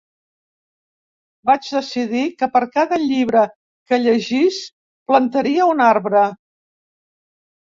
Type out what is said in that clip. Vaig decidir que per cada llibre que llegís plantaria un arbre.